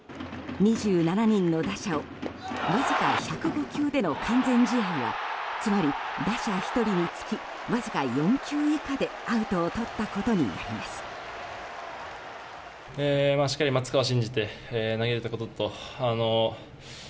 ２７人の打者をわずか１０５球での完全試合はつまり、打者１人につきわずか４球以下でアウトを取ったことになります。